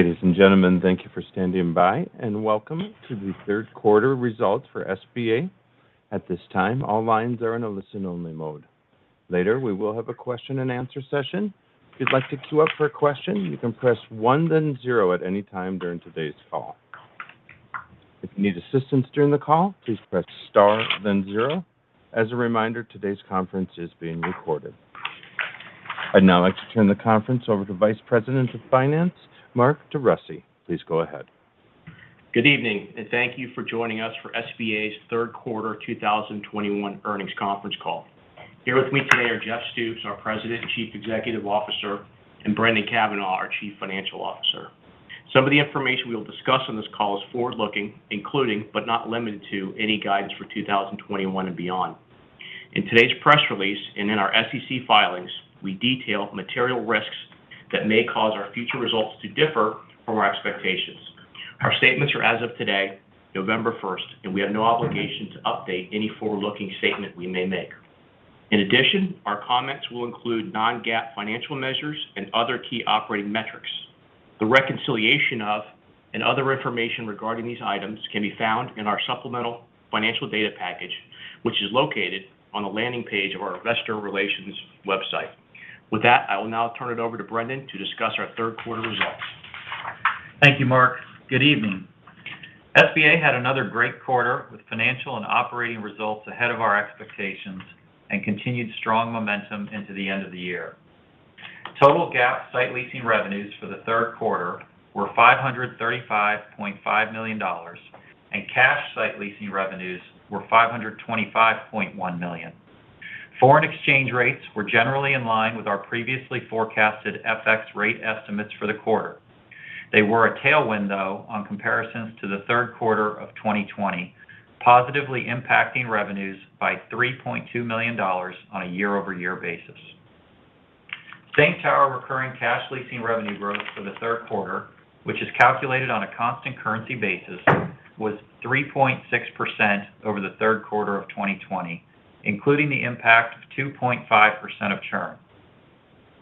Ladies and gentlemen, thank you for standing by, and welcome to the third quarter results for SBA. At this time, all lines are in a listen-only mode. Later, we will have a question-and-answer session. If you'd like to queue up for a question, you can press one then zero at any time during today's call. If you need assistance during the call, please press star then zero. As a reminder, today's conference is being recorded. I'd now like to turn the conference over to Vice President of Finance, Mark DeRussy. Please go ahead. Good evening, and thank you for joining us for SBA's third quarter 2021 earnings conference call. Here with me today are Jeff Stoops, our President and Chief Executive Officer, and Brendan Cavanagh, our Chief Financial Officer. Some of the information we will discuss on this call is forward-looking, including, but not limited to, any guidance for 2021 and beyond. In today's press release and in our SEC filings, we detail material risks that may cause our future results to differ from our expectations. Our statements are as of today, November 1st, and we have no obligation to update any forward-looking statement we may make. In addition, our comments will include non-GAAP financial measures and other key operating metrics. The reconciliation of GAAP and other information regarding these items can be found in our supplemental financial data package, which is located on the landing page of our investor relations website. With that, I will now turn it over to Brendan to discuss our third quarter results. Thank you, Mark. Good evening. SBA had another great quarter with financial and operating results ahead of our expectations and continued strong momentum into the end of the year. Total GAAP site leasing revenues for the third quarter were $535.5 million, and cash site leasing revenues were $525.1 million. Foreign exchange rates were generally in line with our previously forecasted FX rate estimates for the quarter. They were a tailwind, though, on comparisons to the third quarter of 2020, positively impacting revenues by $3.2 million on a year-over-year basis. Same-tower recurring cash leasing revenue growth for the third quarter, which is calculated on a constant currency basis, was 3.6% over the third quarter of 2020, including the impact of 2.5% of churn.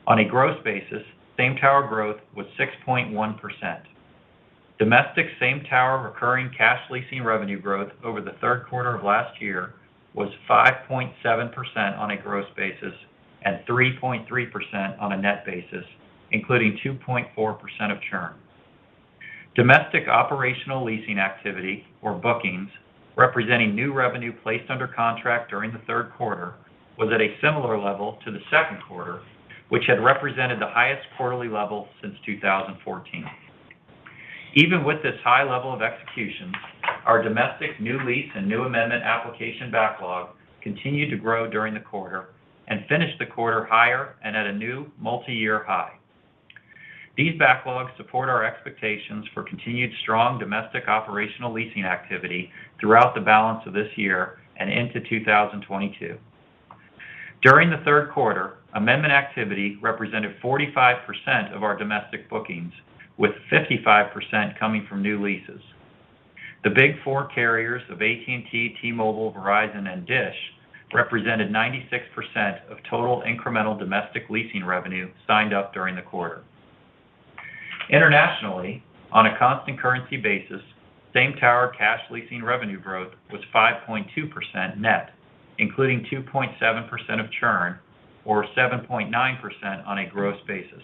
On a gross basis, same-tower growth was 6.1%. Domestic same-tower recurring cash leasing revenue growth over the third quarter of last year was 5.7% on a gross basis and 3.3% on a net basis, including 2.4% of churn. Domestic operational leasing activity or bookings representing new revenue placed under contract during the third quarter was at a similar level to the second quarter, which had represented the highest quarterly level since 2014. Even with this high level of execution, our domestic new lease and new amendment application backlog continued to grow during the quarter and finished the quarter higher and at a new multi-year high. These backlogs support our expectations for continued strong domestic operational leasing activity throughout the balance of this year and into 2022. During the third quarter, amendment activity represented 45% of our domestic bookings, with 55% coming from new leases. The Big Four carriers of AT&T, T-Mobile, Verizon, and Dish represented 96% of total incremental domestic leasing revenue signed up during the quarter. Internationally, on a constant currency basis, same-tower cash leasing revenue growth was 5.2% net, including 2.7% of churn or 7.9% on a gross basis.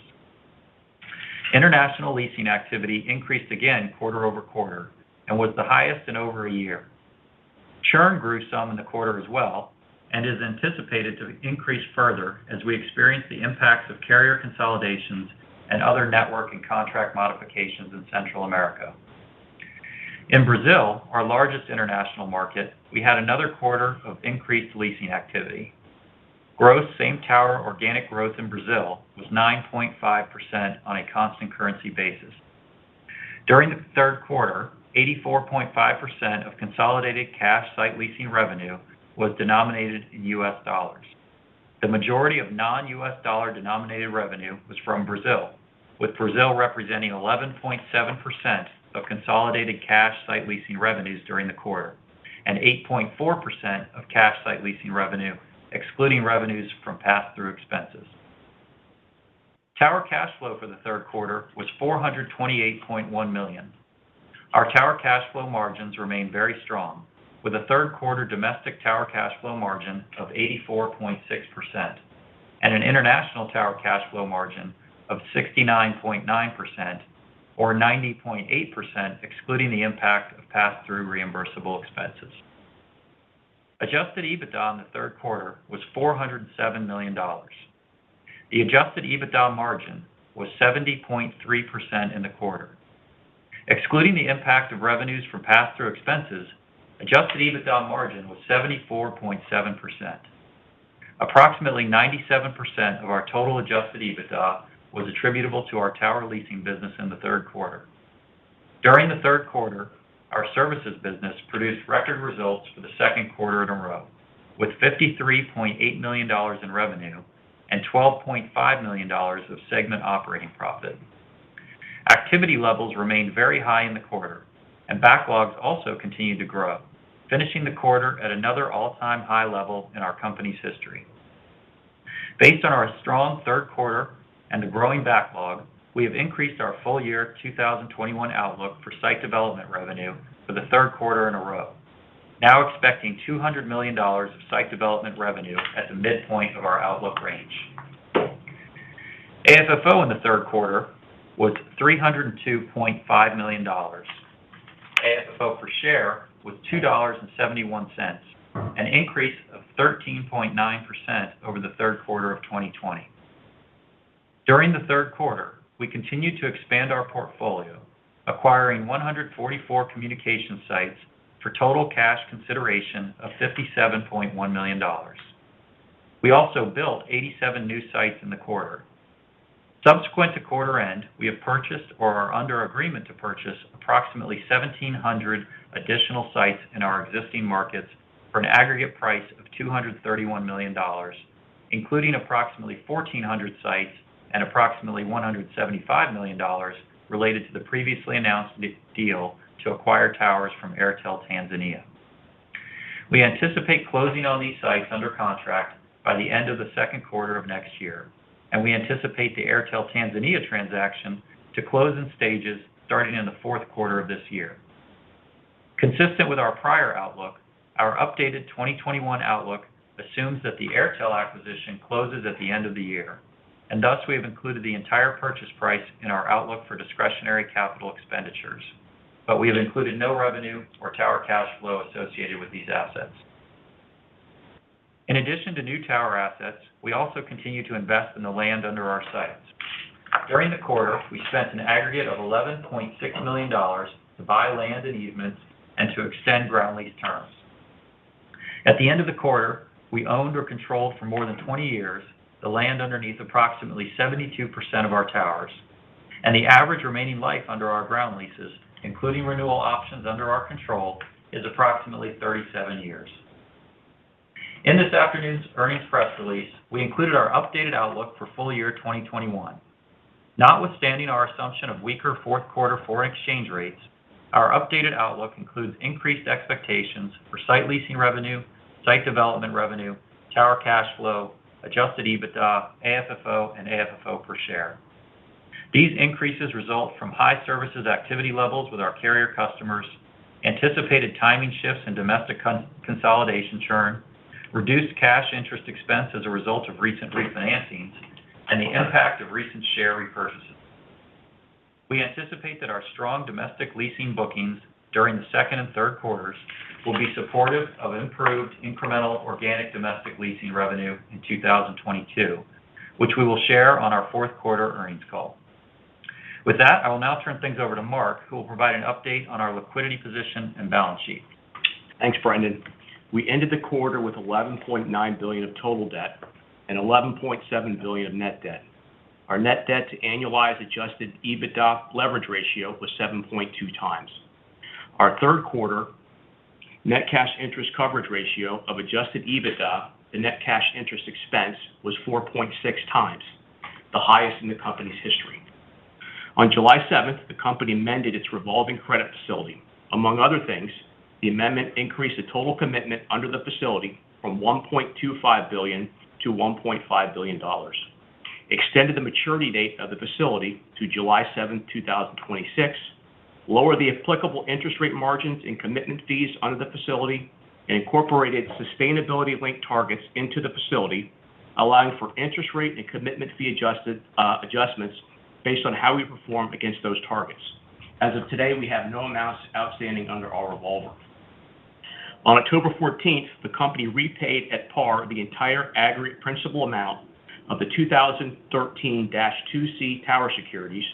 International leasing activity increased again quarter-over-quarter and was the highest in over a year. Churn grew some in the quarter as well and is anticipated to increase further as we experience the impacts of carrier consolidations and other network and contract modifications in Central America. In Brazil, our largest international market, we had another quarter of increased leasing activity. Gross same-tower organic growth in Brazil was 9.5% on a constant currency basis. During the third quarter, 84.5% of consolidated cash site leasing revenue was denominated in US dollars. The majority of non-US dollar-denominated revenue was from Brazil, with Brazil representing 11.7% of consolidated cash site leasing revenues during the quarter and 8.4% of cash site leasing revenue excluding revenues from pass-through expenses. Tower cash flow for the third quarter was $428.1 million. Our tower cash flow margins remain very strong with a third quarter domestic tower cash flow margin of 84.6% and an international tower cash flow margin of 69.9% or 90.8% excluding the impact of pass-through reimbursable expenses. Adjusted EBITDA in the third quarter was $407 million. The adjusted EBITDA margin was 70.3% in the quarter. Excluding the impact of revenues from pass-through expenses, adjusted EBITDA margin was 74.7%. Approximately 97% of our total adjusted EBITDA was attributable to our tower leasing business in the third quarter. During the third quarter, our services business produced record results for the second quarter in a row with $53.8 million in revenue and $12.5 million of segment operating profit. Activity levels remained very high in the quarter, and backlogs also continued to grow, finishing the quarter at another all-time high level in our company's history. Based on our strong third quarter and a growing backlog, we have increased our full year 2021 outlook for site development revenue for the third quarter in a row, now expecting $200 million of site development revenue at the midpoint of our outlook range. AFFO in the third quarter was $302.5 million. AFFO per share was $2.71, an increase of 13.9% over the third quarter of 2020. During the third quarter, we continued to expand our portfolio, acquiring 144 communication sites for total cash consideration of $57.1 million. We also built 87 new sites in the quarter. Subsequent to quarter end, we have purchased or are under agreement to purchase approximately 1,700 additional sites in our existing markets for an aggregate price of $231 million, including approximately 1,400 sites and approximately $175 million related to the previously announced deal to acquire towers from Airtel Tanzania. We anticipate closing on these sites under contract by the end of the second quarter of next year, and we anticipate the Airtel Tanzania transaction to close in stages starting in the fourth quarter of this year. Consistent with our prior outlook, our updated 2021 outlook assumes that the Airtel acquisition closes at the end of the year, and thus we have included the entire purchase price in our outlook for discretionary capital expenditures, but we have included no revenue or tower cash flow associated with these assets. In addition to new tower assets, we also continue to invest in the land under our sites. During the quarter, we spent an aggregate of $11.6 million to buy land and easements and to extend ground lease terms. At the end of the quarter, we owned or controlled for more than 20 years the land underneath approximately 72% of our towers. The average remaining life under our ground leases, including renewal options under our control, is approximately 37 years. In this afternoon's earnings press release, we included our updated outlook for full year 2021. Notwithstanding our assumption of weaker fourth quarter foreign exchange rates, our updated outlook includes increased expectations for site leasing revenue, site development revenue, tower cash flow, adjusted EBITDA, AFFO, and AFFO per share. These increases result from high services activity levels with our carrier customers, anticipated timing shifts in domestic consolidation churn, reduced cash interest expense as a result of recent refinancings, and the impact of recent share repurchases. We anticipate that our strong domestic leasing bookings during the second and third quarters will be supportive of improved incremental organic domestic leasing revenue in 2022, which we will share on our fourth quarter earnings call. With that, I will now turn things over to Mark, who will provide an update on our liquidity position and balance sheet. Thanks, Brendan. We ended the quarter with $11.9 billion of total debt and $11.7 billion of net debt. Our net debt to annualized adjusted EBITDA leverage ratio was 7.2x. Our third quarter net cash interest coverage ratio of adjusted EBITDA to net cash interest expense was 4.6x, the highest in the company's history. On July 7th, the company amended its revolving credit facility. Among other things, the amendment increased the total commitment under the facility from $1.25 billion to $1.5 billion, extended the maturity date of the facility to July 7th, 2026, lowered the applicable interest rate margins and commitment fees under the facility, and incorporated sustainability-linked targets into the facility, allowing for interest rate and commitment fee adjusted adjustments based on how we perform against those targets. As of today, we have no amounts outstanding under our revolver. On October 14th, the company repaid at par the entire aggregate principal amount of the 2013-2C tower securities,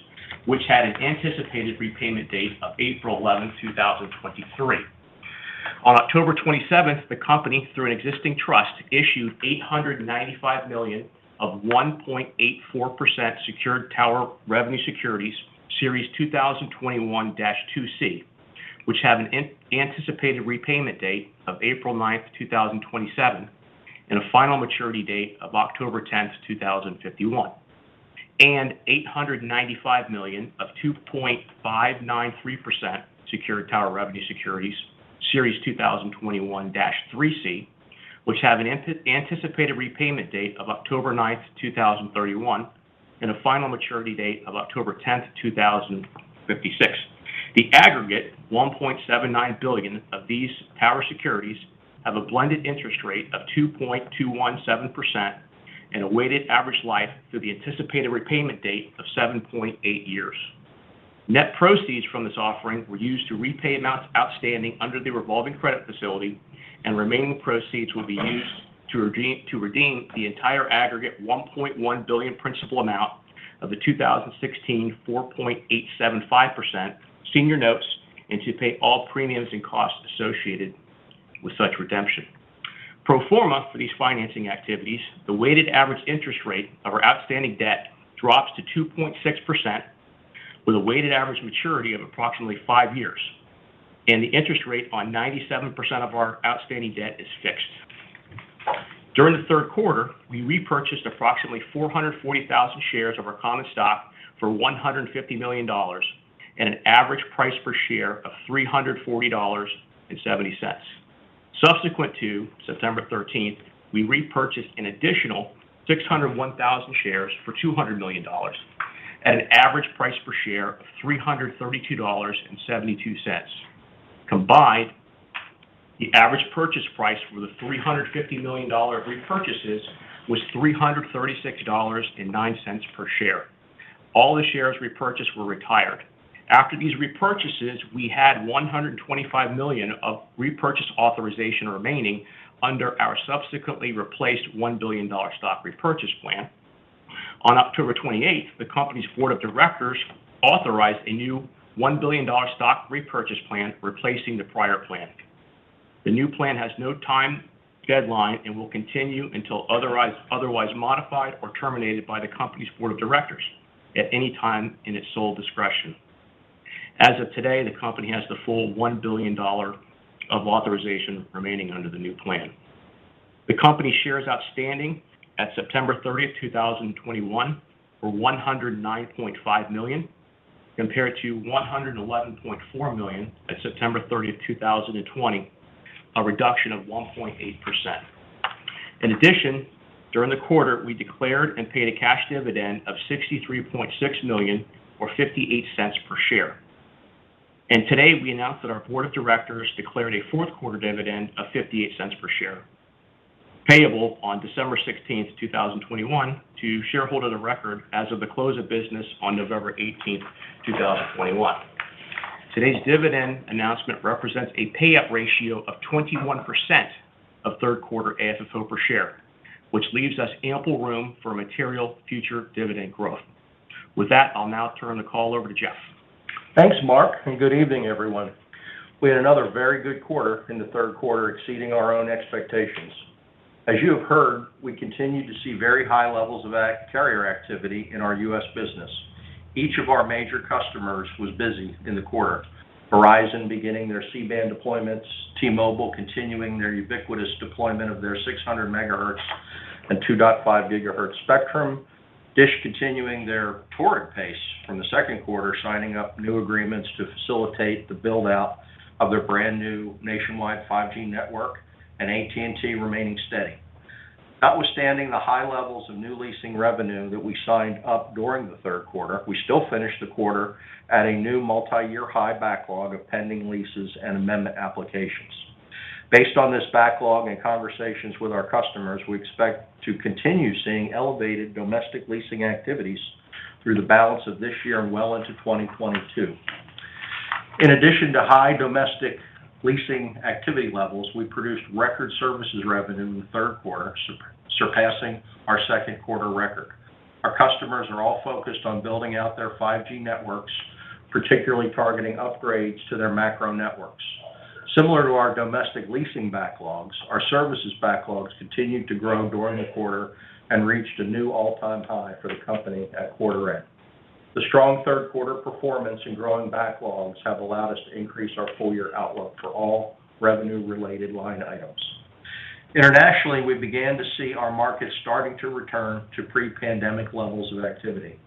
which had an anticipated repayment date of April 11th, 2023. On October 27th, the company, through an existing trust, issued $895 million of 1.84% secured tower revenue securities series 2021-2C, which have an anticipated repayment date of April 9th, 2027, and a final maturity date of October 10th, 2051. $895 million of 2.593% secured tower revenue securities series 2021-3C, which have an anticipated repayment date of October 9th, 2031, and a final maturity date of October 10th, 2056. The aggregate $1.79 billion of these tower securities have a blended interest rate of 2.217% and a weighted average life through the anticipated repayment date of 7.8 years. Net proceeds from this offering were used to repay amounts outstanding under the revolving credit facility, and remaining proceeds will be used to redeem the entire aggregate $1.1 billion principal amount of the 2016 4.875% senior notes and to pay all premiums and costs associated with such redemption. Pro forma for these financing activities, the weighted average interest rate of our outstanding debt drops to 2.6% with a weighted average maturity of approximately five years, and the interest rate on 97% of our outstanding debt is fixed. During the third quarter, we repurchased approximately 440,000 shares of our common stock for $150 million at an average price per share of $340.70. Subsequent to September 13th, we repurchased an additional 601,000 shares for $200 million at an average price per share of $332.72. Combined, the average purchase price for the $350 million repurchases was $336.09 per share. All the shares repurchased were retired. After these repurchases, we had $125 million of repurchase authorization remaining under our subsequently replaced $1 billion stock repurchase plan. On October 28th, the company's board of directors authorized a new $1 billion stock repurchase plan, replacing the prior plan. The new plan has no time deadline and will continue until otherwise modified or terminated by the company's board of directors at any time in its sole discretion. As of today, the company has the full $1 billion of authorization remaining under the new plan. The company shares outstanding at September 30th, 2021, were 109.5 million, compared to 111.4 million at September 30th, 2020, a reduction of 1.8%. In addition, during the quarter, we declared and paid a cash dividend of $63.6 million or $0.58 per share. Today, we announced that our board of directors declared a fourth quarter dividend of $0.58 per share, payable on December 16th, 2021 to shareholders of record as of the close of business on November 18th, 2021. Today's dividend announcement represents a payout ratio of 21% of third quarter AFFO per share, which leaves us ample room for material future dividend growth. With that, I'll now turn the call over to Jeff. Thanks, Mark, and good evening, everyone. We had another very good quarter in the third quarter, exceeding our own expectations. As you have heard, we continue to see very high levels of carrier activity in our U.S. business. Each of our major customers was busy in the quarter, Verizon beginning their C-band deployments, T-Mobile continuing their ubiquitous deployment of their 600 MHz and 2.5 GHz spectrum, Dish continuing their torrid pace from the second quarter, signing up new agreements to facilitate the build-out of their brand-new nationwide 5G network, and AT&T remaining steady. Notwithstanding the high levels of new leasing revenue that we signed up during the third quarter, we still finished the quarter at a new multiyear high backlog of pending leases and amendment applications. Based on this backlog and conversations with our customers, we expect to continue seeing elevated domestic leasing activities through the balance of this year and well into 2022. In addition to high domestic leasing activity levels, we produced record services revenue in the third quarter, surpassing our second quarter record. Our customers are all focused on building out their 5G networks, particularly targeting upgrades to their macro networks. Similar to our domestic leasing backlogs, our services backlogs continued to grow during the quarter and reached a new all-time high for the company at quarter end. The strong third quarter performance and growing backlogs have allowed us to increase our full-year outlook for all revenue-related line items. Internationally, we began to see our markets starting to return to pre-pandemic levels of activity.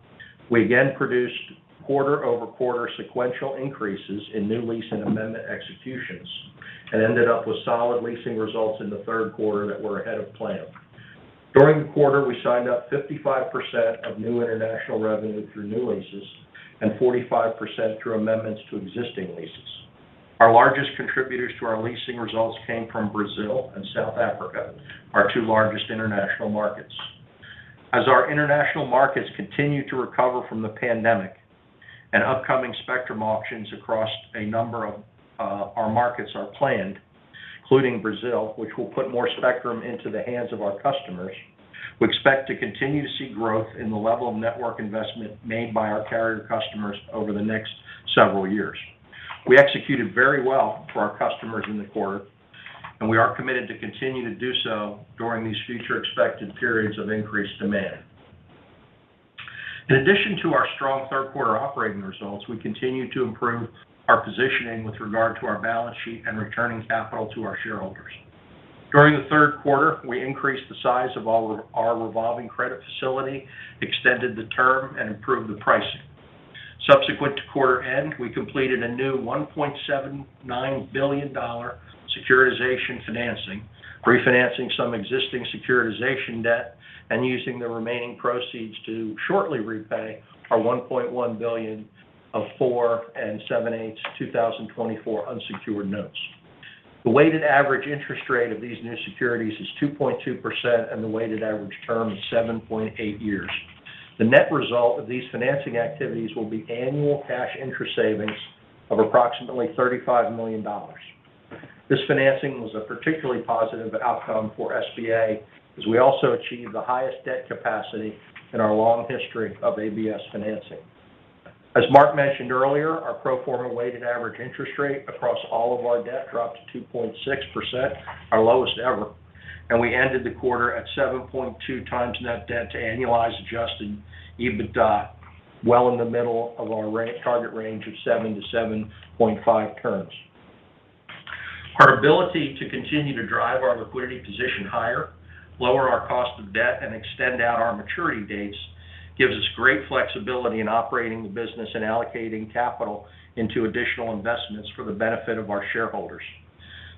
We again produced quarter-over-quarter sequential increases in new lease and amendment executions and ended up with solid leasing results in the third quarter that were ahead of plan. During the quarter, we signed up 55% of new international revenue through new leases and 45% through amendments to existing leases. Our largest contributors to our leasing results came from Brazil and South Africa, our two largest international markets. As our international markets continue to recover from the pandemic, and upcoming spectrum auctions across a number of our markets are planned, including Brazil, which will put more spectrum into the hands of our customers, we expect to continue to see growth in the level of network investment made by our carrier customers over the next several years. We executed very well for our customers in the quarter, and we are committed to continue to do so during these future expected periods of increased demand. In addition to our strong third quarter operating results, we continue to improve our positioning with regard to our balance sheet and returning capital to our shareholders. During the third quarter, we increased the size of all of our revolving credit facility, extended the term, and improved the pricing. Subsequent to quarter end, we completed a new $1.79 billion securitization financing, refinancing some existing securitization debt, and using the remaining proceeds to shortly repay our $1.1 billion of 4.875% 2024 unsecured notes. The weighted average interest rate of these new securities is 2.2%, and the weighted average term is 7.8 years. The net result of these financing activities will be annual cash interest savings of approximately $35 million. This financing was a particularly positive outcome for SBA, as we also achieved the highest debt capacity in our long history of ABS financing. As Mark mentioned earlier, our pro forma weighted average interest rate across all of our debt dropped to 2.6%, our lowest ever, and we ended the quarter at 7.2x net debt to annualized adjusted EBITDA, well in the middle of our target range of 7-7.5x. Our ability to continue to drive our liquidity position higher, lower our cost of debt, and extend out our maturity dates. Gives us great flexibility in operating the business and allocating capital into additional investments for the benefit of our shareholders.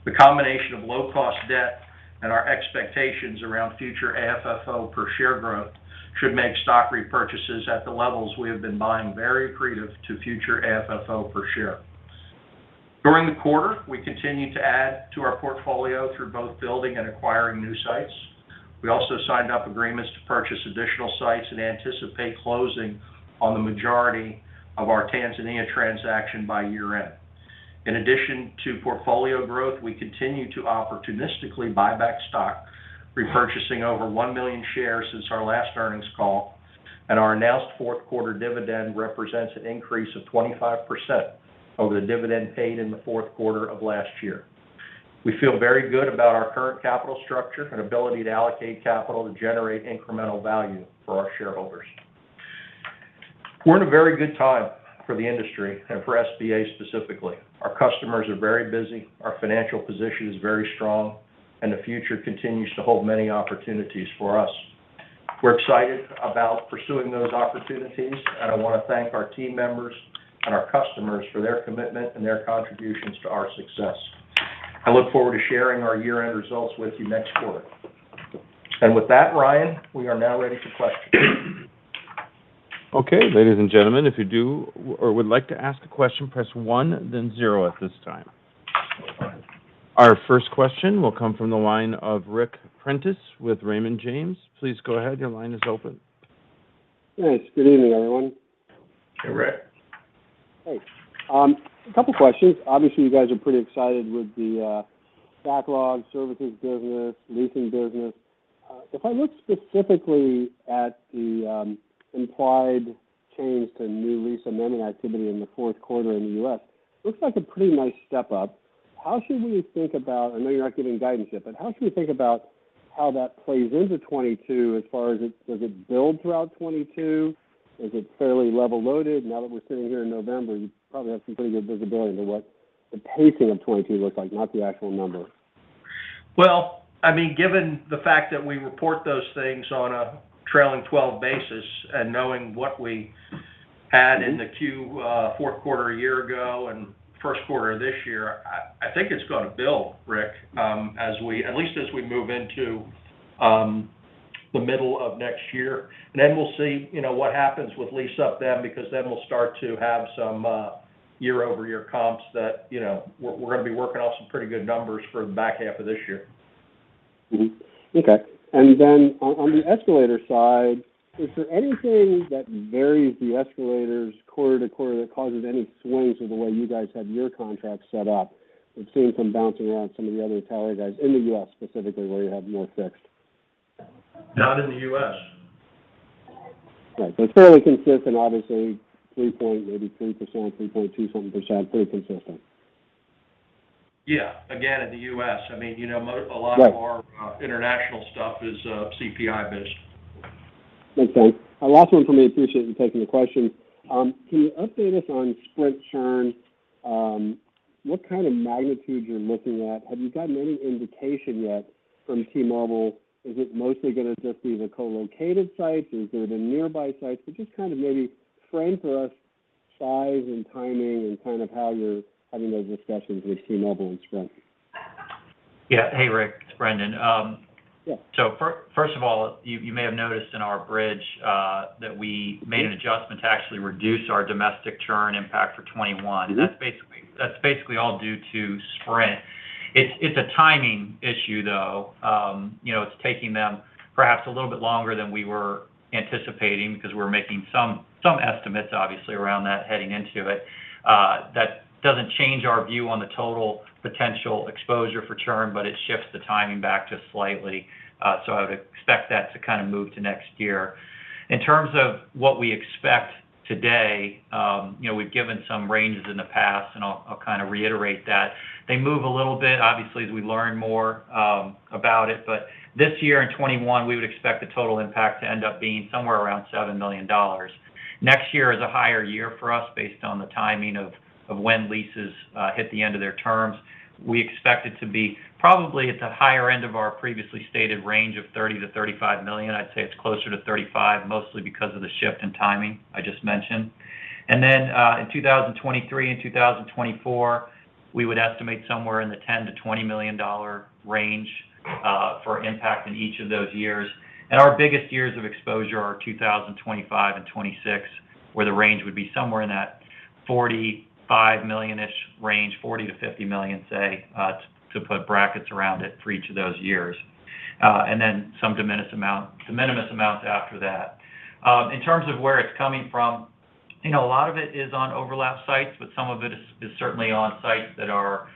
The combination of low-cost debt and our expectations around future AFFO per share growth should make stock repurchases at the levels we have been buying very accretive to future AFFO per share. During the quarter, we continued to add to our portfolio through both building and acquiring new sites. We also signed up agreements to purchase additional sites and anticipate closing on the majority of our Tanzania transaction by year-end. In addition to portfolio growth, we continue to opportunistically buy back stock, repurchasing over 1 million shares since our last earnings call, and our announced fourth quarter dividend represents an increase of 25% over the dividend paid in the fourth quarter of last year. We feel very good about our current capital structure and ability to allocate capital to generate incremental value for our shareholders. We're in a very good time for the industry and for SBA specifically. Our customers are very busy, our financial position is very strong, and the future continues to hold many opportunities for us. We're excited about pursuing those opportunities, and I wanna thank our team members and our customers for their commitment and their contributions to our success. I look forward to sharing our year-end results with you next quarter. With that, Ryan, we are now ready for questions. Our first question will come from the line of Ric Prentiss with Raymond James. Please go ahead. Your line is open. Yes. Good evening, everyone. Hey, Ric. Hey. A couple questions. Obviously, you guys are pretty excited with the backlog, services business, leasing business. If I look specifically at the implied change to new lease amending activity in the fourth quarter in the U.S., it looks like a pretty nice step up. How should we think about it? I know you're not giving guidance yet, but how should we think about how that plays into 2022 as far as does it build throughout 2022? Is it fairly level loaded now that we're sitting here in November? You probably have some pretty good visibility into what the pacing of 2022 looks like, not the actual number. Well, I mean, given the fact that we report those things on a trailing 12 basis and knowing what we had in the fourth quarter a year ago and first quarter this year, I think it's gonna build, Ric, as we at least as we move into the middle of next year. Then we'll see, you know, what happens with lease-up then because then we'll start to have some year-over-year comps that, you know, we're gonna be working off some pretty good numbers for the back half of this year. Mm-hmm. Okay. On the escalator side, is there anything that varies the escalators quarter to quarter that causes any swings or the way you guys had your contract set up? We've seen some bouncing around some of the other tower guys in the U.S., specifically where you have more fixed. Not in the U.S. Right. It's fairly consistent, obviously, 3 point maybe 3%, 3.2 something %. Pretty consistent. Yeah. Again, in the U.S. I mean, you know, Right... a lot of our international stuff is CPI-based. Makes sense. Last one for me. Appreciate you taking the question. Can you update us on Sprint churn, what kind of magnitude you're looking at? Have you gotten any indication yet from T-Mobile? Is it mostly gonna just be the co-located sites? Is it the nearby sites? Just kind of maybe frame for us size and timing and kind of how you're having those discussions with T-Mobile and Sprint. Yeah. Hey, Ric, it's Brendan. Yeah. First of all, you may have noticed in our bridge that we made an adjustment to actually reduce our domestic churn impact for 2021. Mm-hmm. That's basically all due to Sprint. It's a timing issue, though. You know, it's taking them perhaps a little bit longer than we were anticipating because we're making some estimates obviously around that heading into it. That doesn't change our view on the total potential exposure for churn, but it shifts the timing back just slightly. I would expect that to kind of move to next year. In terms of what we expect today, you know, we've given some ranges in the past, and I'll kind of reiterate that. They move a little bit obviously as we learn more about it. This year in 2021, we would expect the total impact to end up being somewhere around $7 million. Next year is a higher year for us based on the timing of when leases hit the end of their terms. We expect it to be probably at the higher end of our previously stated range of $30 million-$35 million. I'd say it's closer to 35, mostly because of the shift in timing I just mentioned. In 2023 and 2024, we would estimate somewhere in the $10 million-$20 million range for impact in each of those years. Our biggest years of exposure are 2025 and 2026, where the range would be somewhere in that $45 million-ish range, $40 million-$50 million, say, to put brackets around it for each of those years. Then some de minimis amounts after that. In terms of where it's coming from, you know, a lot of it is on overlap sites, but some of it is certainly on sites that are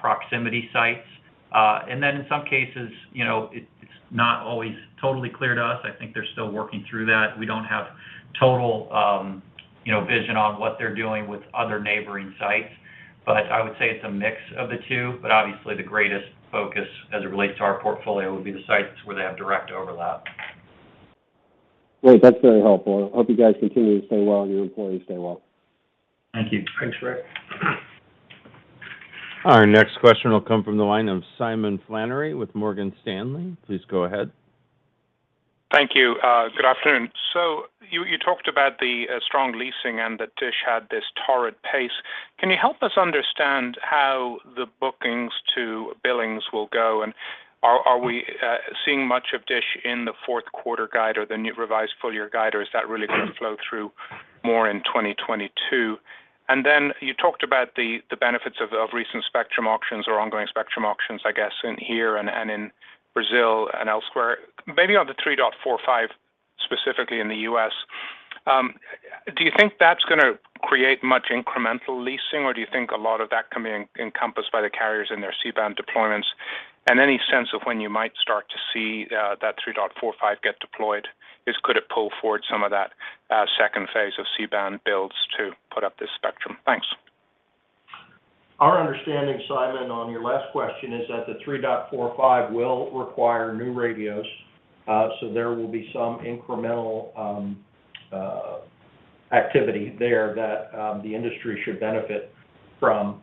proximity sites. In some cases, you know, it's not always totally clear to us. I think they're still working through that. We don't have total, you know, vision on what they're doing with other neighboring sites, but I would say it's a mix of the two. Obviously the greatest focus as it relates to our portfolio would be the sites where they have direct overlap. Great. That's very helpful. I hope you guys continue to stay well and your employees stay well. Thank you. Thanks, Ric. Our next question will come from the line of Simon Flannery with Morgan Stanley. Please go ahead. Thank you. Good afternoon. You talked about the strong leasing and that Dish had this torrid pace. Can you help us understand how the bookings to billings will go? Are we seeing much of Dish in the fourth quarter guide or the new revised full year guide, or is that really gonna flow through more in 2022? You talked about the benefits of recent spectrum auctions or ongoing spectrum auctions, I guess, in here and in Brazil and elsewhere. Maybe on the 3.45, specifically in the U.S., do you think that's gonna create much incremental leasing, or do you think a lot of that can be encompassed by the carriers in their C-band deployments? Any sense of when you might start to see that 3.45 get deployed? Could it pull forward some of that second phase of C-band builds to put up this spectrum? Thanks. Our understanding, Simon, on your last question is that the 3.45 will require new radios, so there will be some incremental activity there that the industry should benefit from.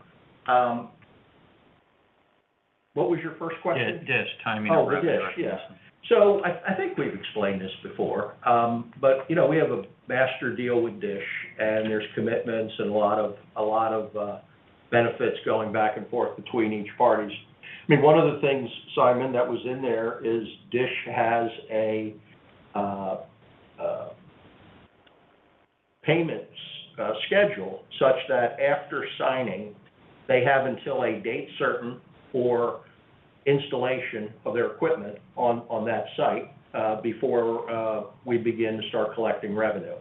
What was your first question? Yeah, Dish timing of revenue recognition. Oh, Dish. Yeah. I think we've explained this before. But you know, we have a master deal with Dish, and there's commitments and a lot of benefits going back and forth between each parties. I mean, one of the things, Simon, that was in there is Dish has a payments schedule such that after signing, they have until a date certain for installation of their equipment on that site before we begin to start collecting revenue.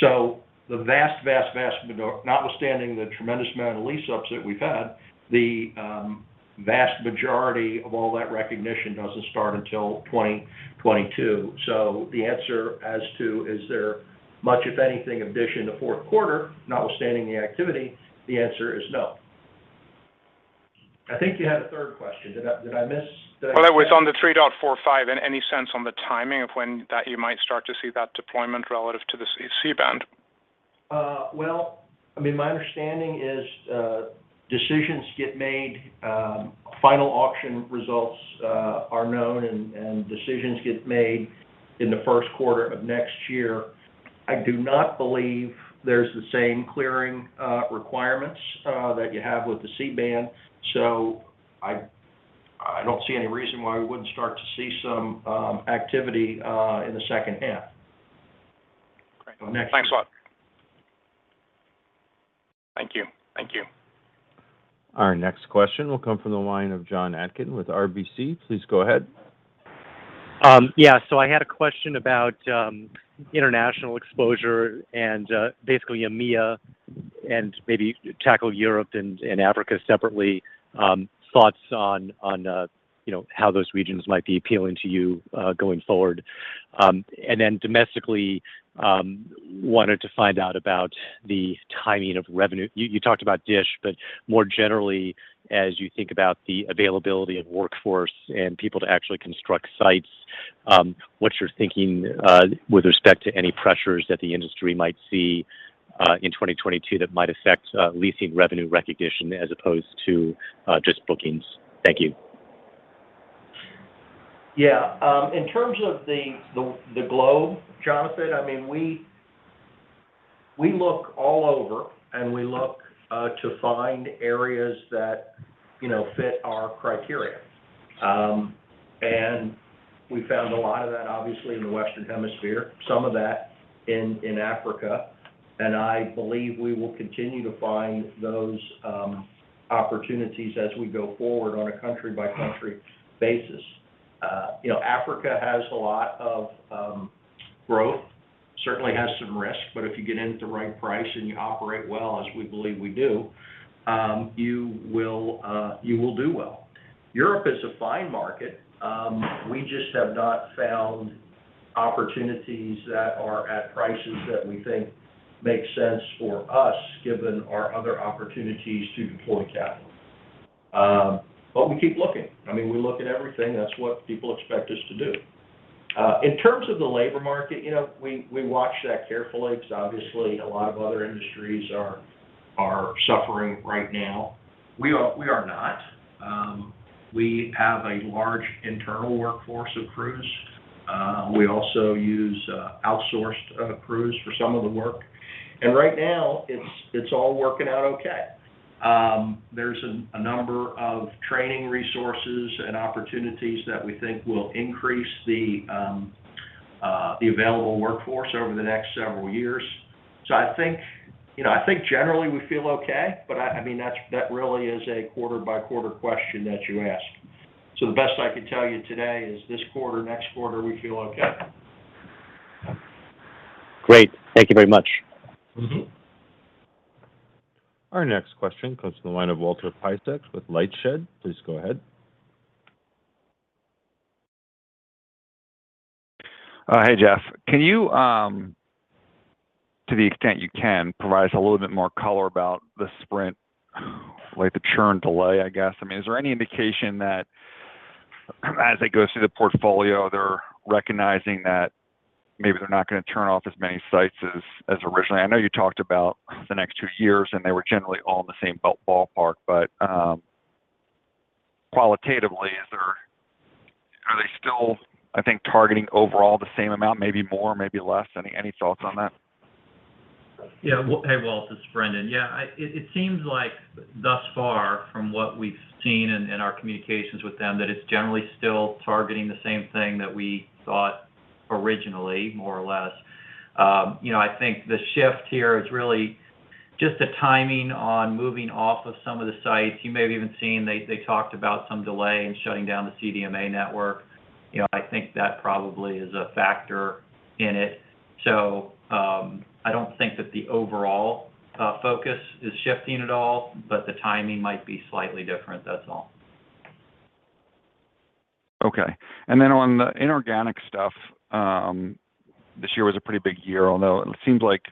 The vast majority, notwithstanding the tremendous amount of lease ups that we've had, doesn't start until 2022. The answer as to is there much of anything of Dish in the fourth quarter, notwithstanding the activity, is no. I think you had a third question. Did I miss? Well, that was on the 3.45, and any sense on the timing of when that you might start to see that deployment relative to the C-band? Well, I mean, my understanding is, decisions get made, final auction results are known and decisions get made in the first quarter of next year. I do not believe there's the same clearing requirements that you have with the C-band. I don't see any reason why we wouldn't start to see some activity in the second half. Great. Well, thanks a lot. Thank you. Thank you. Our next question will come from the line of Jon Atkin with RBC. Please go ahead. Yeah. I had a question about international exposure and basically EMEA and maybe tackle Europe and Africa separately, thoughts on you know how those regions might be appealing to you going forward. Domestically, wanted to find out about the timing of revenue. You talked about Dish, but more generally as you think about the availability of workforce and people to actually construct sites, what you're thinking with respect to any pressures that the industry might see in 2022 that might affect leasing revenue recognition as opposed to just bookings. Thank you. Yeah, in terms of the globe, Jonathan, I mean, we look all over, and we look to find areas that, you know, fit our criteria. We found a lot of that obviously in the Western Hemisphere, some of that in Africa. I believe we will continue to find those opportunities as we go forward on a country-by-country basis. You know, Africa has a lot of growth, certainly has some risk. If you get in at the right price and you operate well, as we believe we do, you will do well. Europe is a fine market. We just have not found opportunities that are at prices that we think make sense for us, given our other opportunities to deploy capital. We keep looking. I mean, we look at everything. That's what people expect us to do. In terms of the labor market, you know, we watch that carefully because obviously a lot of other industries are suffering right now. We are not. We have a large internal workforce of crews. We also use outsourced crews for some of the work. Right now it's all working out okay. There's a number of training resources and opportunities that we think will increase the available workforce over the next several years. I think, you know, I think generally we feel okay, but I mean, that's really a quarter-by-quarter question that you asked. The best I can tell you today is this quarter, next quarter, we feel okay. Great. Thank you very much. Mm-hmm. Our next question comes from the line of Walter Piecyk with LightShed. Please go ahead. Hey, Jeff. Can you, to the extent you can, provide us a little bit more color about the Sprint, like the churn delay, I guess? I mean, is there any indication that as it goes through the portfolio, they're recognizing that maybe they're not gonna turn off as many sites as originally. I know you talked about the next two years, and they were generally all in the same ballpark. Qualitatively, are they still, I think, targeting overall the same amount, maybe more, maybe less? Any thoughts on that? Well, hey, Walt, this is Brendan. It seems like thus far from what we've seen in our communications with them, that it's generally still targeting the same thing that we thought originally, more or less. You know, I think the shift here is really just the timing on moving off of some of the sites. You may have even seen they talked about some delay in shutting down the CDMA network. You know, I think that probably is a factor in it. I don't think that the overall focus is shifting at all, but the timing might be slightly different, that's all. Okay. On the inorganic stuff, this year was a pretty big year, although it seems like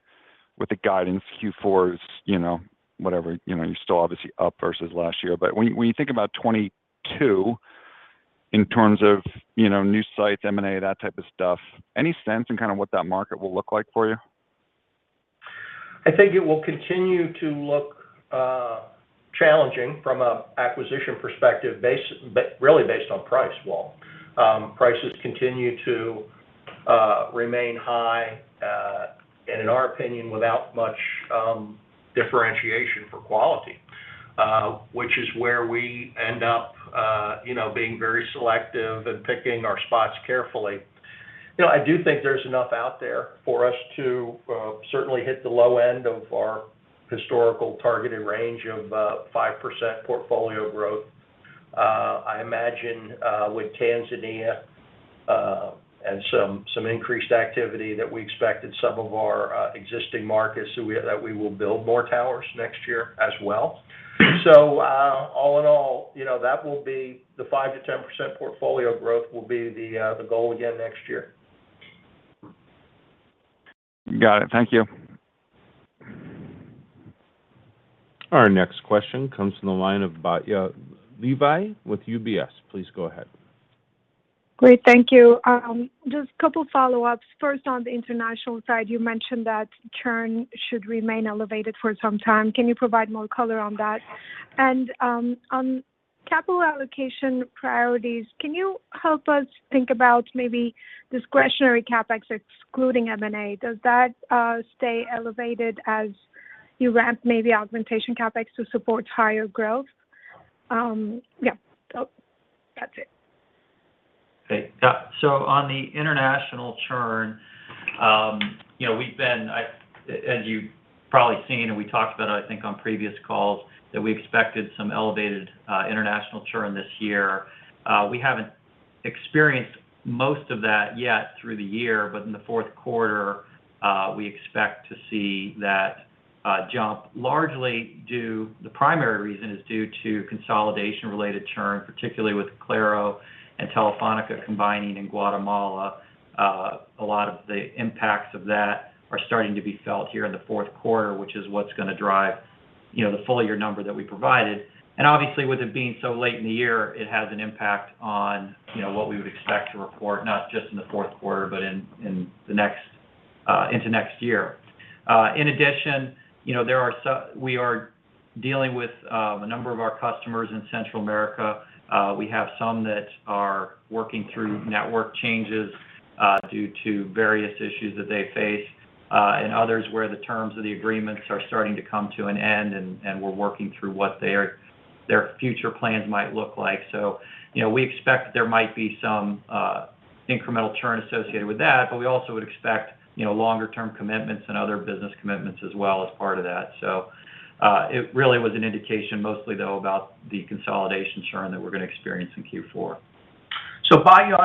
with the guidance Q4 is, you know, whatever, you know, you're still obviously up versus last year. When you think about 2022 in terms of, you know, new sites, M&A, that type of stuff, any sense in kind of what that market will look like for you? I think it will continue to look challenging from an acquisition perspective really based on price, Walter. Prices continue to remain high and in our opinion, without much differentiation for quality, which is where we end up you know being very selective and picking our spots carefully. You know, I do think there's enough out there for us to certainly hit the low end of our historical targeted range of about 5% portfolio growth. I imagine with Tanzania and some increased activity that we expect in some of our existing markets that we will build more towers next year as well. All in all, you know, the 5%-10% portfolio growth will be the goal again next year. Got it. Thank you. Our next question comes from the line of Batya Levi with UBS. Please go ahead. Great. Thank you. Just couple follow-ups. First, on the international side, you mentioned that churn should remain elevated for some time. Can you provide more color on that? On capital allocation priorities, can you help us think about maybe discretionary CapEx excluding M&A? Does that stay elevated as you ramp maybe augmentation CapEx to support higher growth? Yeah. That's it. Okay. Yeah. On the international churn, you know, we've been, as you've probably seen, and we talked about, I think, on previous calls, that we expected some elevated international churn this year. We haven't experienced most of that yet through the year, but in the fourth quarter, we expect to see that jump largely due, the primary reason is due to consolidation-related churn, particularly with Claro and Telefónica combining in Guatemala. A lot of the impacts of that are starting to be felt here in the fourth quarter, which is what's gonna drive, you know, the full year number that we provided. Obviously, with it being so late in the year, it has an impact on, you know, what we would expect to report, not just in the fourth quarter, but in the next, into next year. In addition, you know, we are dealing with a number of our customers in Central America. We have some that are working through network changes due to various issues that they face, and others where the terms of the agreements are starting to come to an end and we're working through what their future plans might look like. You know, we expect there might be some incremental churn associated with that, but we also would expect longer term commitments and other business commitments as well as part of that. It really was an indication mostly, though, about the consolidation churn that we're gonna experience in Q4. Batya,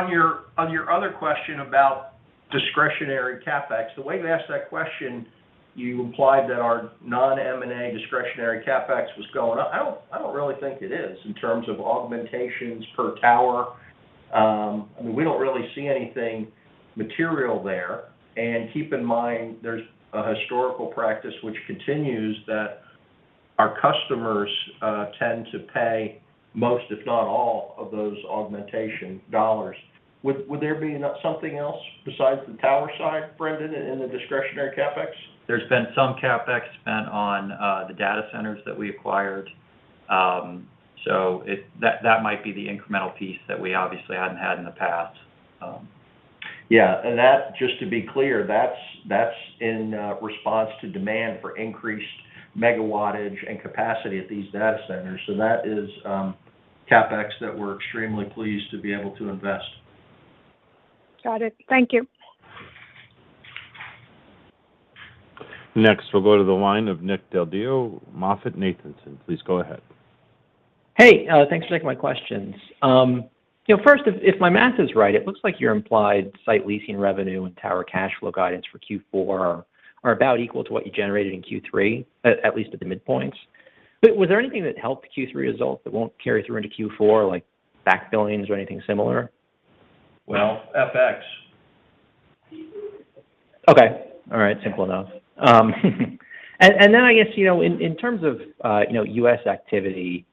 on your other question about discretionary CapEx, the way you asked that question, you implied that our non-M&A discretionary CapEx was going up. I don't really think it is in terms of augmentations per tower. I mean, we don't really see anything material there. Keep in mind, there's a historical practice which continues that our customers tend to pay most, if not all, of those augmentation dollars. Would there be something else besides the tower side, Brendan, in the discretionary CapEx? There's been some CapEx spent on the data centers that we acquired. That might be the incremental piece that we obviously hadn't had in the past. Yeah. That, just to be clear, that's in response to demand for increased megawattage and capacity at these data centers. That is CapEx that we're extremely pleased to be able to invest. Got it. Thank you. Next, we'll go to the line of Nick Del Deo, MoffettNathanson. Please go ahead. Hey, thanks for taking my questions. You know, first, if my math is right, it looks like your implied site leasing revenue and tower cash flow guidance for Q4 are about equal to what you generated in Q3, at least at the midpoints. Was there anything that helped Q3 results that won't carry through into Q4, like back billings or anything similar? Well, FX. Okay. All right. Simple enough. I guess, you know, in terms of, you know, U.S. activity,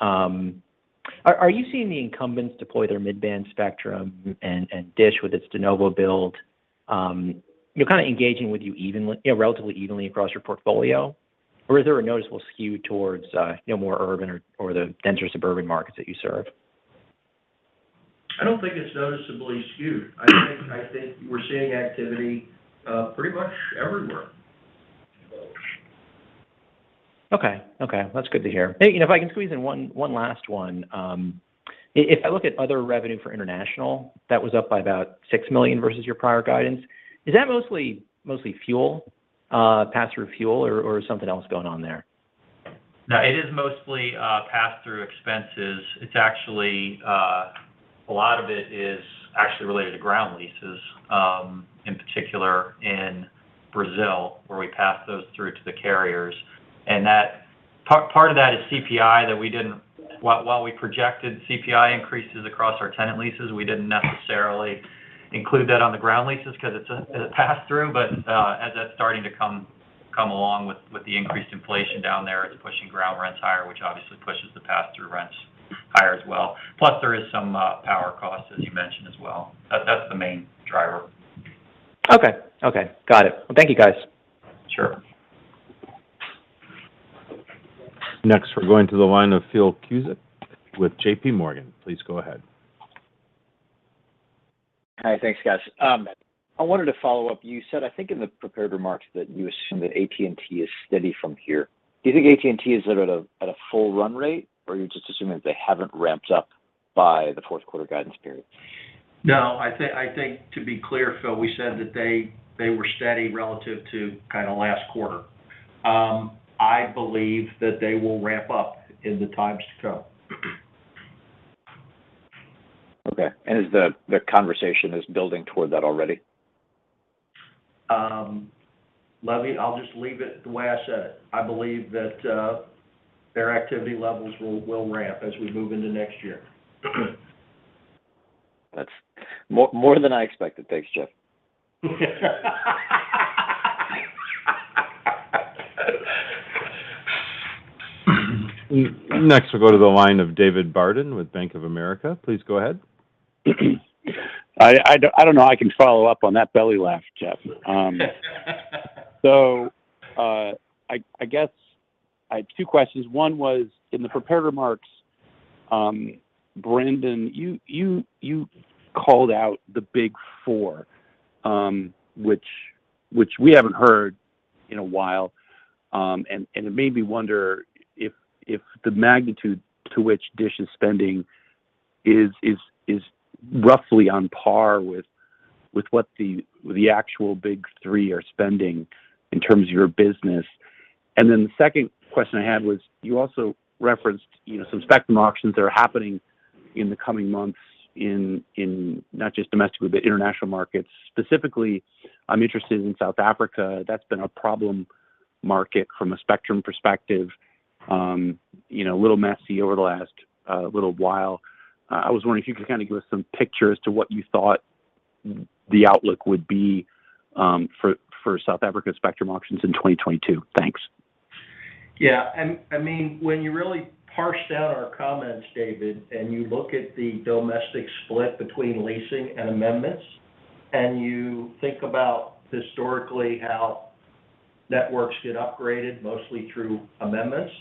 are you seeing the incumbents deploy their mid-band spectrum and Dish with its de novo build, you know, kind of engaging with you evenly. You know, relatively evenly across your portfolio? Or is there a noticeable skew towards, you know, more urban or the denser suburban markets that you serve? I don't think it's noticeably skewed. I think we're seeing activity pretty much everywhere. Okay. That's good to hear. Hey, you know, if I can squeeze in one last one. If I look at other revenue for international, that was up by about $6 million versus your prior guidance. Is that mostly fuel pass-through fuel or something else going on there? No, it is mostly pass-through expenses. It's actually a lot of it is actually related to ground leases in particular in Brazil, where we pass those through to the carriers. That part of that is CPI. While we projected CPI increases across our tenant leases, we didn't necessarily include that on the ground leases because it's a pass-through. As that's starting to come along with the increased inflation down there, it's pushing ground rents higher, which obviously pushes the pass-through rents higher as well. Plus, there is some power costs, as you mentioned as well. That's the main driver. Okay. Got it. Thank you guys. Sure. Next, we're going to the line of Philip Cusick with J.P. Morgan. Please go ahead. Hi. Thanks, guys. I wanted to follow up. You said, I think in the prepared remarks, that you assume that AT&T is steady from here. Do you think AT&T is at a full run rate, or you're just assuming that they haven't ramped up by the fourth quarter guidance period? No, I think to be clear, Phil, we said that they were steady relative to kinda last quarter. I believe that they will ramp up in the times to come. Okay. Is the conversation building toward that already? Levy, I'll just leave it the way I said it. I believe that their activity levels will ramp as we move into next year. That's more than I expected. Thanks, Jeff. Next, we'll go to the line of David Barden with Bank of America. Please go ahead. I don't know, I can follow up on that belly laugh, Jeff. I guess I had two questions. One was, in the prepared remarks, Brendan, you called out the big four, which we haven't heard in a while. It made me wonder if the magnitude to which Dish is spending is roughly on par with what the actual big three are spending in terms of your business. The second question I had was, you also referenced, you know, some spectrum auctions that are happening in the coming months in not just domestic, but international markets. Specifically, I'm interested in South Africa. That's been a problem market from a spectrum perspective. You know, a little messy over the last little while. I was wondering if you could kind of give us some picture as to what you thought the outlook would be, for South Africa spectrum auctions in 2022. Thanks. Yeah, I mean, when you really parse out our comments, David, and you look at the domestic split between leasing and amendments, and you think about historically how networks get upgraded mostly through amendments.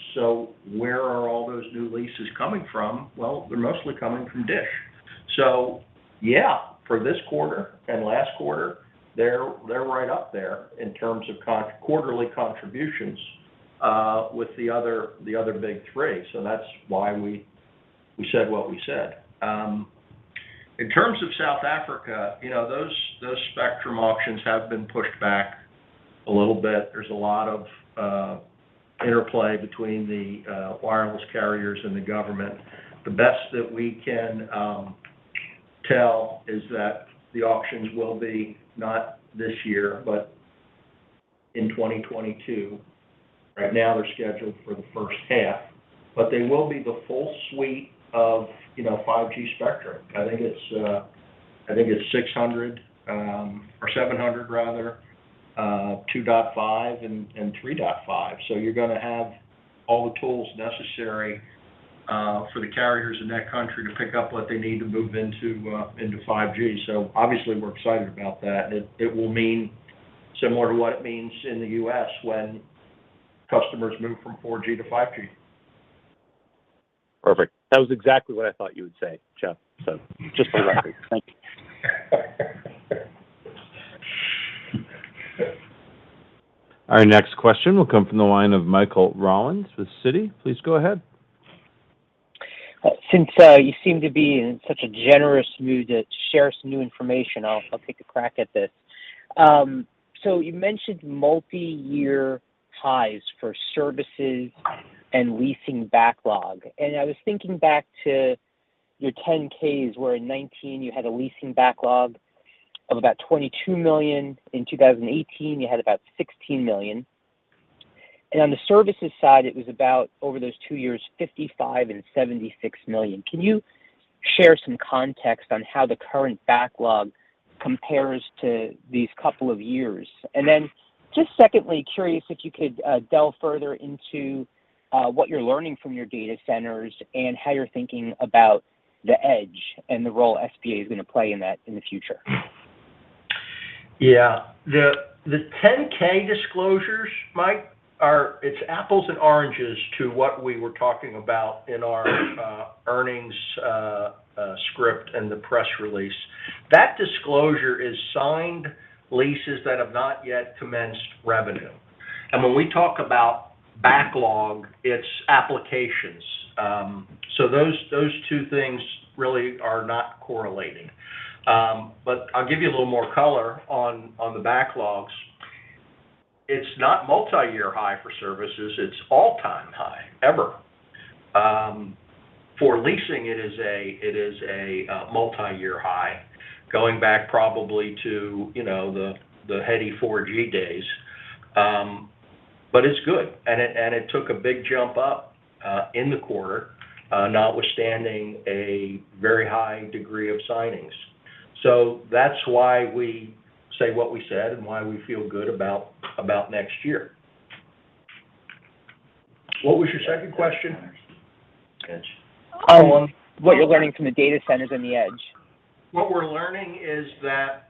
Where are all those new leases coming from? Well, they're mostly coming from Dish. Yeah, for this quarter and last quarter, they're right up there in terms of quarterly contributions with the other big three. That's why we said what we said. In terms of South Africa, you know, those spectrum auctions have been pushed back a little bit. There's a lot of interplay between the wireless carriers and the government. The best that we can tell is that the auctions will be not this year, but in 2022. Right now, they're scheduled for the first half. They will be the full suite of, you know, 5G spectrum. I think it's 600 or 700 rather, 2.5 and 3.5. So you're gonna have all the tools necessary for the carriers in that country to pick up what they need to move into 5G. So obviously, we're excited about that. It will mean similar to what it means in the U.S. when customers move from 4G to 5G. Perfect. That was exactly what I thought you would say, Jeff. Just for the record. Thank you. Our next question will come from the line of Michael Rollins with Citi. Please go ahead. Since you seem to be in such a generous mood to share some new information, I take a crack at this. So you mentioned multi-year ties for services and leasing backlog. I was thinking back to your 10-Ks, where in 2019 you had a leasing backlog of about $22 million. In 2018, you had about $16 million. On the services side, it was about, over those two years, $55 million and $76 million. Can you share some context on how the current backlog compares to these couple of years? Then just secondly, curious if you could delve further into what you're learning from your data centers and how you're thinking about the edge and the role SBA is gonna play in that in the future. Yeah. The 10-K disclosures, Mike, are apples and oranges to what we were talking about in our earnings script and the press release. That disclosure is signed leases that have not yet commenced revenue. When we talk about backlog, it's applications. So those two things really are not correlated. But I'll give you a little more color on the backlogs. It's not multi-year high for services, it's all-time high ever. For leasing, it is a multi-year high, going back probably to you know the heady 4G days. But it's good, and it took a big jump up in the quarter notwithstanding a very high degree of signings. That's why we say what we said and why we feel good about next year. What was your second question? Oh, what you're learning from the data centers and the edge. What we're learning is that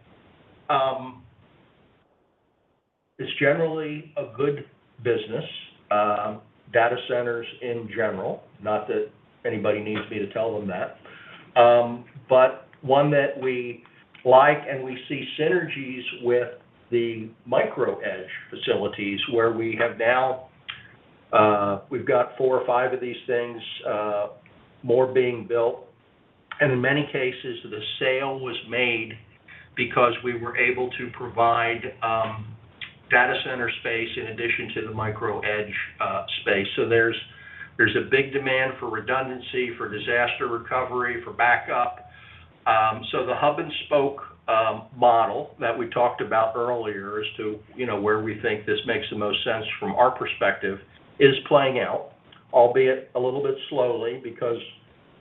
it's generally a good business, data centers in general, not that anybody needs me to tell them that. But one that we like and we see synergies with the micro edge facilities, where we have now, we've got four or five of these things, more being built. In many cases, the sale was made because we were able to provide data center space in addition to the micro edge space. There's a big demand for redundancy, for disaster recovery, for backup. The hub and spoke model that we talked about earlier as to, you know, where we think this makes the most sense from our perspective is playing out, albeit a little bit slowly because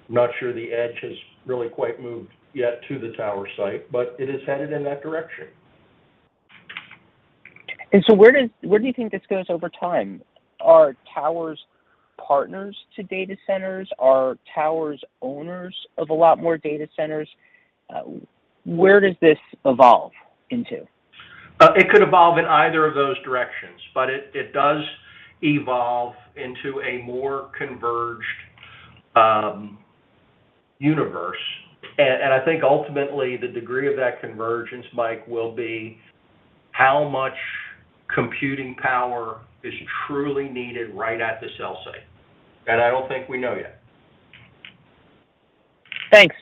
I'm not sure the edge has really quite moved yet to the tower site, but it is headed in that direction. Where do you think this goes over time? Are towers partners to data centers? Are towers owners of a lot more data centers? Where does this evolve into? It could evolve in either of those directions, but it does evolve into a more converged universe. I think ultimately the degree of that convergence, Mike, will be how much computing power is truly needed right at the cell site. I don't think we know yet. Thanks.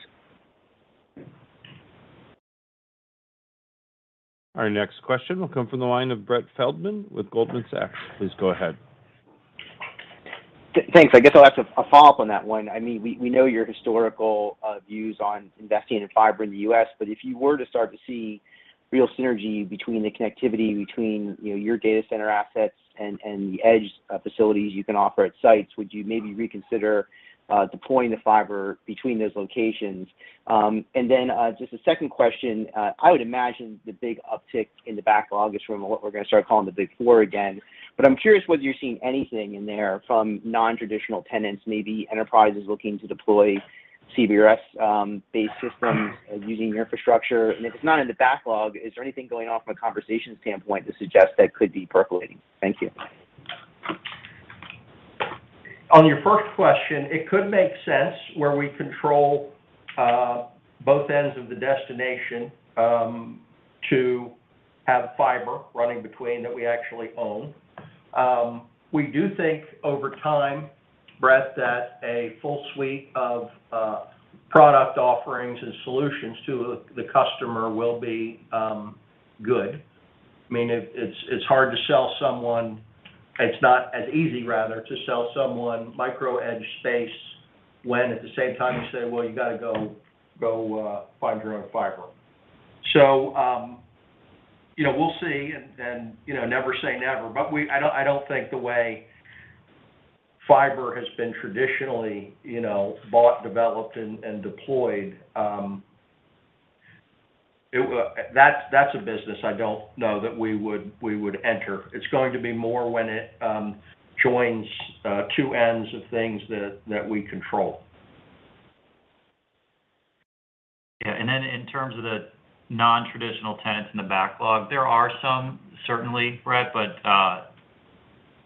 Our next question will come from the line of Brett Feldman with Goldman Sachs. Please go ahead. Thanks. I guess I'll have a follow-up on that one. I mean, we know your historical views on investing in fiber in the U.S., but if you were to start to see real synergy between the connectivity between, you know, your data center assets and the edge facilities you can offer at sites, would you maybe reconsider deploying the fiber between those locations? Just a second question. I would imagine the big uptick in the backlog is from what we're gonna start calling the Big Four again. I'm curious whether you're seeing anything in there from non-traditional tenants, maybe enterprises looking to deploy CBRS based systems using your infrastructure. If it's not in the backlog, is there anything going on from a conversation standpoint to suggest that could be percolating? Thank you. On your first question, it could make sense where we control both ends of the destination to have fiber running between that we actually own. We do think over time, Brett, that a full suite of product offerings and solutions to the customer will be good. I mean, it's hard to sell someone. It's not as easy, rather, to sell someone micro edge space when at the same time you say, "Well, you gotta go find your own fiber." You know, we'll see and you know, never say never. I don't think the way fiber has been traditionally you know, bought, developed, and deployed. That's a business I don't know that we would enter. It's going to be more when it joins two ends of things that we control. Yeah. In terms of the non-traditional tenants in the backlog, there are some certainly, Brett, but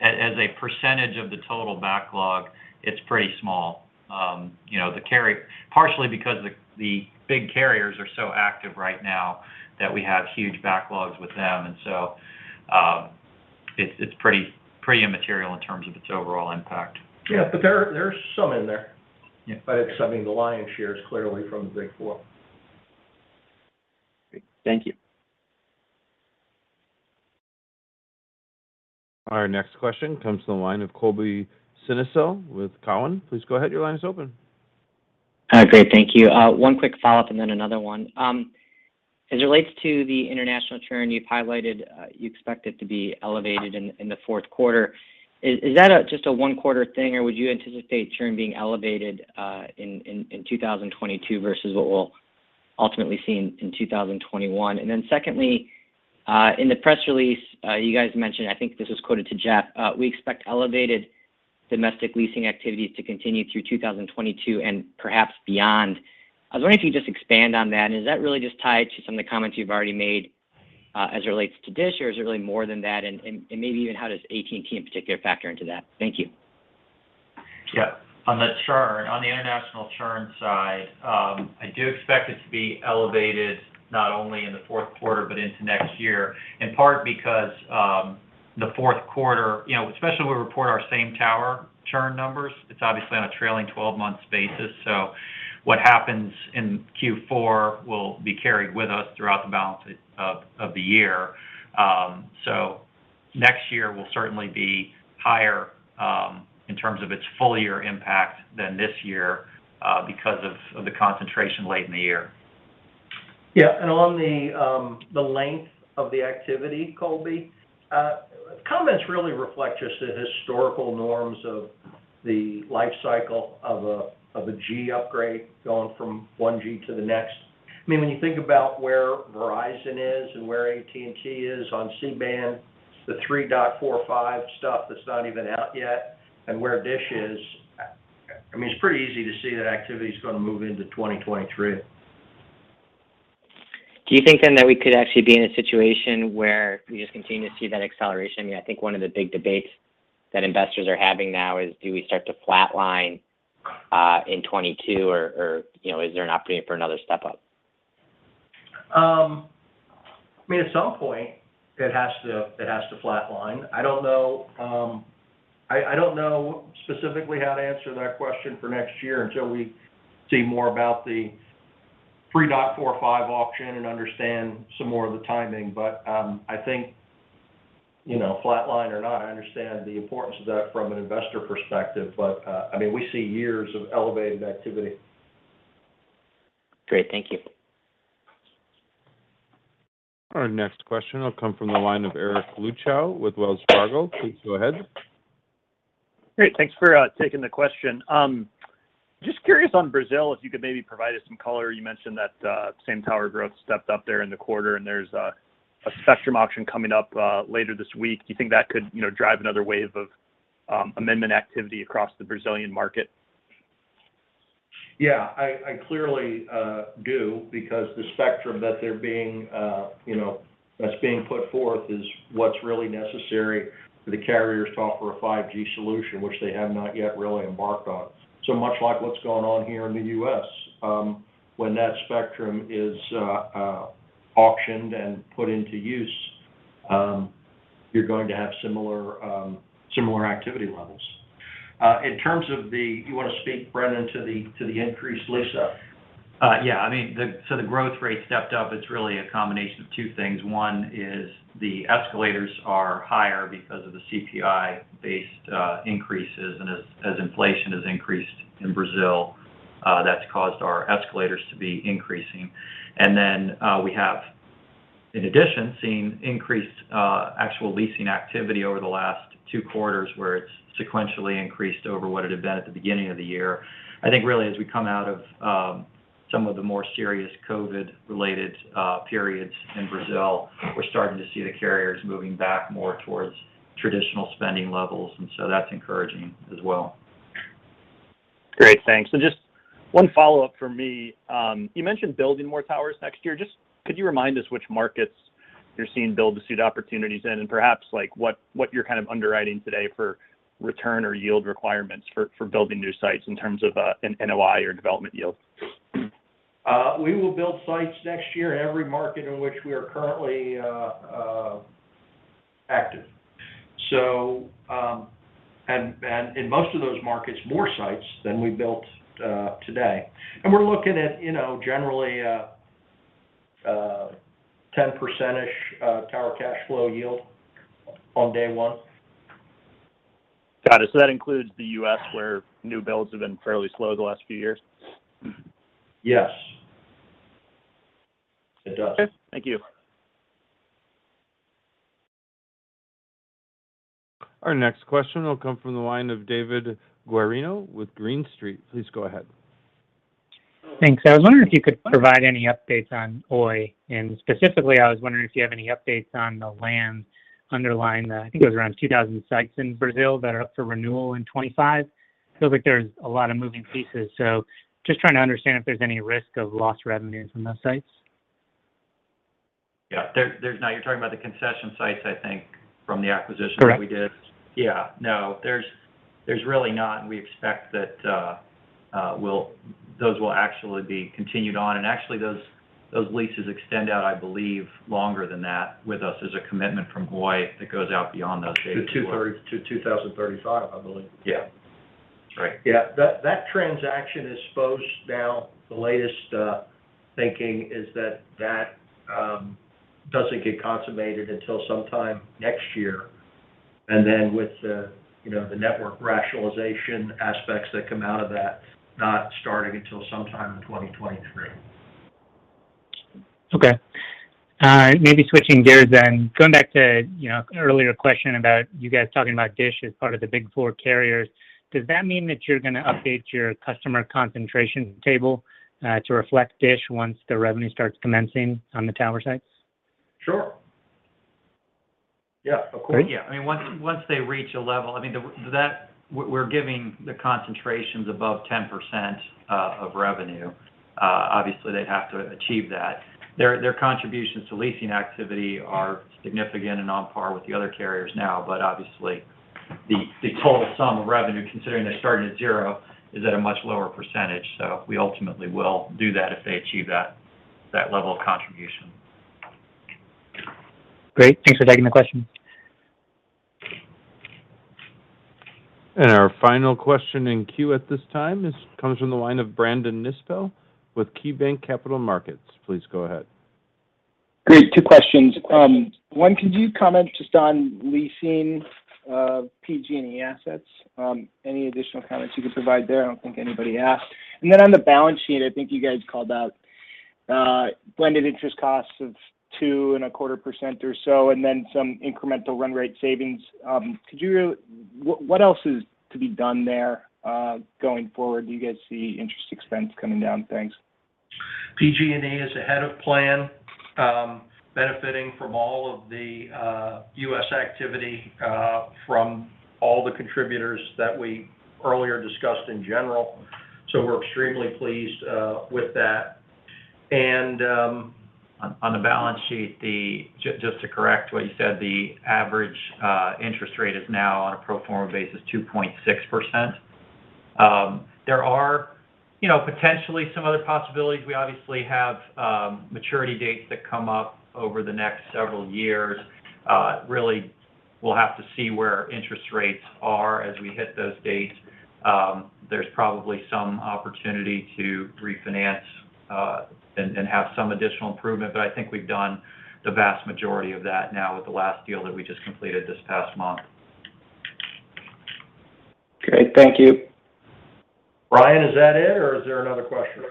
as a percentage of the total backlog, it's pretty small. You know, partially because the big carriers are so active right now that we have huge backlogs with them, it's pretty immaterial in terms of its overall impact. Yeah. There, there's some in there. Yeah. It's, I mean, the lion's share is clearly from the Big Four. Great. Thank you. Our next question comes from the line of Colby Synesael with Cowen. Please go ahead, your line is open. Great. Thank you. One quick follow-up and then another one. As it relates to the international churn you've highlighted, you expect it to be elevated in the fourth quarter. Is that just a one-quarter thing, or would you anticipate churn being elevated in 2022 versus what we'll ultimately see in 2021? Secondly, in the press release, you guys mentioned, I think this was quoted to Jeff, "We expect elevated domestic leasing activities to continue through 2022, and perhaps beyond." I was wondering if you could just expand on that. Is that really just tied to some of the comments you've already made, as it relates to Dish, or is it really more than that? Maybe even how does AT&T in particular factor into that? Thank you. Yeah. On the churn, on the international churn side, I do expect it to be elevated not only in the fourth quarter but into next year, in part because the fourth quarter, you know, especially when we report our same tower churn numbers, it's obviously on a trailing 12-month basis, so what happens in Q4 will be carried with us throughout the balance of the year. Next year will certainly be higher, in terms of its full year impact than this year, because of the concentration late in the year. Yeah. On the length of the activity, Colby, comments really reflect just the historical norms of the life cycle of a G upgrade going from one G to the next. I mean, when you think about where Verizon is and where AT&T is on C-band, the 3.45 stuff that's not even out yet, and where Dish is, I mean, it's pretty easy to see that activity's gonna move into 2023. Do you think then that we could actually be in a situation where we just continue to see that acceleration? Yeah, I think one of the big debates that investors are having now is, do we start to flatline in 2022 or you know is there an opportunity for another step up? I mean, at some point it has to flat line. I don't know specifically how to answer that question for next year until we see more about the 3.45 auction and understand some more of the timing. I think, you know, flat line or not, I understand the importance of that from an investor perspective. I mean, we see years of elevated activity. Great. Thank you. Our next question will come from the line of Eric Luebchow with Wells Fargo. Please go ahead. Great. Thanks for taking the question. Just curious on Brazil, if you could maybe provide us some color. You mentioned that same tower growth stepped up there in the quarter, and there's a spectrum auction coming up later this week. Do you think that could, you know, drive another wave of amendment activity across the Brazilian market? Yeah, I clearly do because the spectrum that's being put forth is what's really necessary for the carriers to offer a 5G solution, which they have not yet really embarked on. Much like what's gone on here in the U.S., when that spectrum is auctioned and put into use, you're going to have similar activity levels. In terms of the... Do you wanna speak, Brendan, to the increased lease up? Yeah. I mean, the growth rate stepped up. It's really a combination of two things. One is the escalators are higher because of the CPI-based increases. As inflation has increased in Brazil, that's caused our escalators to be increasing. We have in addition seen increased actual leasing activity over the last two quarters, where it's sequentially increased over what it had been at the beginning of the year. I think really as we come out of some of the more serious COVID-related periods in Brazil, we're starting to see the carriers moving back more towards traditional spending levels. That's encouraging as well. Great. Thanks. Just one follow-up from me. You mentioned building more towers next year. Just could you remind us which markets you're seeing build-to-suit opportunities in? And perhaps like what you're kind of underwriting today for return or yield requirements for building new sites in terms of an NOI or development yield? We will build sites next year in every market in which we are currently active, and in most of those markets, more sites than we built today. We're looking at, you know, generally, 10%-ish tower cash flow yield on day one. Got it. That includes the U.S., where new builds have been fairly slow the last few years? Yes. It does. Okay. Thank you. Our next question will come from the line of David Guarino with Green Street. Please go ahead. Thanks. I was wondering if you could provide any updates on Oi. Specifically I was wondering if you have any updates on the land underlying the, I think it was around 2,000 sites in Brazil that are up for renewal in 2025. Feels like there's a lot of moving pieces, so just trying to understand if there's any risk of lost revenues from those sites. Yeah. Now you're talking about the concession sites I think from the acquisition that we did? Correct. Yeah. No, there's really not, and we expect that those will actually be continued on. Actually those leases extend out, I believe, longer than that with us as a commitment from Oi that goes out beyond those dates as well. To 2035, I believe. Yeah. That's right. That transaction is supposed, now the latest thinking is that it doesn't get consummated until sometime next year. With the network rationalization aspects that come out of that not starting until sometime in 2023. Okay. Maybe switching gears then. Going back to, you know, an earlier question about you guys talking about Dish as part of the big four carriers, does that mean that you're gonna update your customer concentration table, to reflect Dish once the revenue starts commencing on the tower sites? Sure. Yeah, of course. Great. Yeah. I mean, once they reach a level. I mean, that we're giving the concentrations above 10% of revenue. Obviously, they'd have to achieve that. Their contributions to leasing activity are significant and on par with the other carriers now. Obviously the total sum of revenue, considering they're starting at zero, is at a much lower percentage. We ultimately will do that if they achieve that level of contribution. Great. Thanks for taking the question. Our final question in queue at this time comes from the line of Brandon Nispel with KeyBanc Capital Markets. Please go ahead. Great. Two questions. One, could you comment just on leasing of PG&E assets? Any additional comments you could provide there? I don't think anybody asked. On the balance sheet, I think you guys called out blended interest costs of 2.25% or so, and then some incremental run rate savings. What else is to be done there going forward? Do you guys see interest expense coming down? Thanks. PG&E is ahead of plan, benefiting from all of the U.S. activity from all the contributors that we earlier discussed in general, so we're extremely pleased with that. On the balance sheet, just to correct what you said, the average interest rate is now on a pro forma basis, 2.6%. There are, you know, potentially some other possibilities. We obviously have maturity dates that come up over the next several years. Really we'll have to see where interest rates are as we hit those dates. There's probably some opportunity to refinance and have some additional improvement. I think we've done the vast majority of that now with the last deal that we just completed this past month. Great. Thank you. Brian, is that it or is there another question?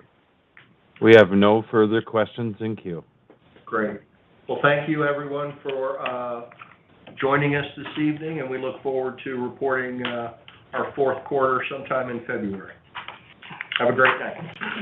We have no further questions in queue. Great. Well, thank you everyone for joining us this evening, and we look forward to reporting our fourth quarter sometime in February. Have a great night.